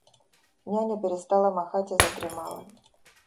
Няня перестала махать и задремала.